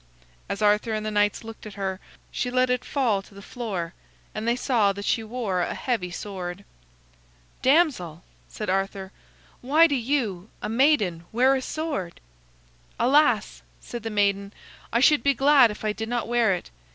As Arthur and the knights looked at her, she let it fall to the floor, and they saw that she wore a heavy sword. "Damsel," said Arthur, "why do you, a maiden, wear a sword?" "Alas!" said the maiden, "I should be glad if I did not wear it.